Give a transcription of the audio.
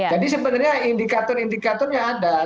jadi sebenarnya indikator indikatornya ada